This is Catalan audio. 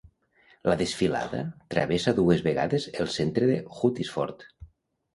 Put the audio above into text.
La desfilada travessa dues vegades el centre de Hustisford.